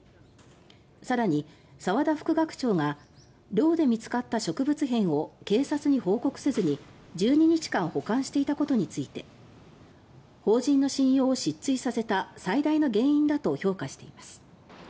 さらに澤田副学長が寮で見つかった植物片を警察に報告せずに、１２日間保管していたことについて法人の信用を失墜させた最大の原因だと評価しています。